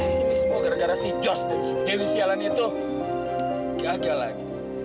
ini semua gara gara si jos dewi sialan itu gagal lagi